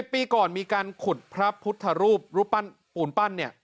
๑๐ปีก่อนมีการขุดพระพุทธรูปปูนปั้น